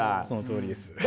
そのとおりです。